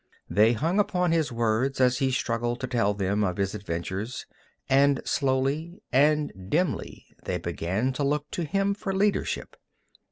They hung upon his words as he struggled to tell them of his adventures, and slowly and dimly they began to look to him for leadership.